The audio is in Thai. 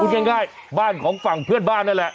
ง่ายบ้านของฝั่งเพื่อนบ้านนั่นแหละ